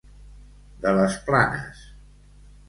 De les Planes.